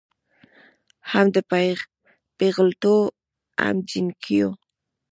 هم د پېغلوټو هم جینکیو